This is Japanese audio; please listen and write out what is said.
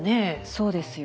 そうですよね。